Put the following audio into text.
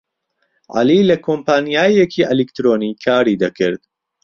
عەلی لە کۆمپانیایەکی ئەلیکترۆنی کاری دەکرد.